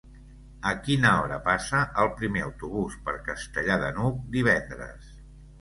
A quina hora passa el primer autobús per Castellar de n'Hug divendres?